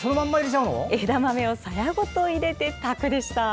枝豆をさやごと入れて炊くでした。